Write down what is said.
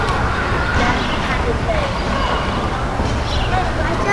Let’s cut the chase.